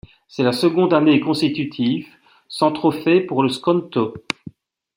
C'est la seconde année consécutive sans trophée pour le Skonto.